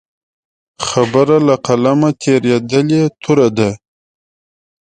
خبره له قلمه تېرېدلې توره ده.